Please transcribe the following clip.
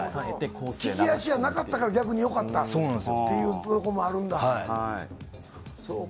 利き足じゃなかったから逆によかったというところもあるんだ。